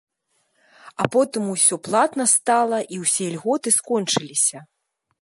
А потым ўсё платна стала, і ўсе ільготы скончыліся.